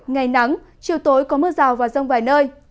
ngày nắng chiều tối có mưa rào và rông vài nơi